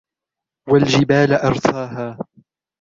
وَالْجِبَالَ أَرْسَاهَا